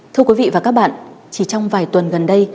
thưa quý vị và các bạn chỉ trong vài tuần gần đây